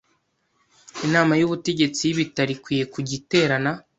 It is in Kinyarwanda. Inama y ubutegetsi y ibitaro ikwiye kujya iterana